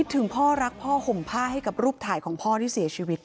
ถึงพ่อรักพ่อห่มผ้าให้กับรูปถ่ายของพ่อที่เสียชีวิต